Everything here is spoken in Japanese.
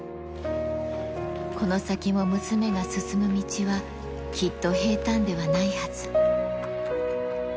この先も娘が進む道は、きっと平たんではないはず。